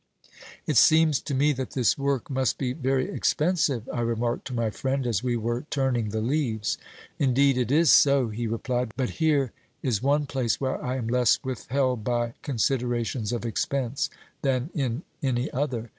"It seems to me that this work must be very expensive," I remarked to my friend, as we were turning the leaves. "Indeed it is so," he replied; "but here is one place where I am less withheld by considerations of expense than in any other.